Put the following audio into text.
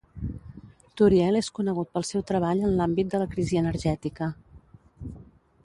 Turiel és conegut pel seu treball en l'àmbit de la crisi energètica